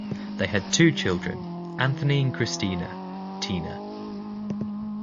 They had two children, Anthony and Christina "Tina".